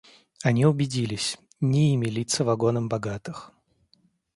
Они убедились — не ими литься вагонам богатых.